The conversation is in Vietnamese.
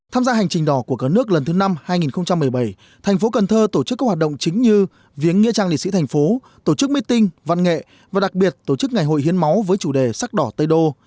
tham gia hành trình đỏ của cả nước lần thứ năm hai nghìn một mươi bảy thành phố cần thơ tổ chức các hoạt động chính như viếng nghĩa trang liệt sĩ thành phố tổ chức meeting văn nghệ và đặc biệt tổ chức ngày hội hiến máu với chủ đề sắc đỏ tây đô